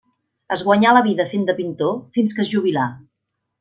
Es guanyà la vida fent de pintor, fins que es jubilà.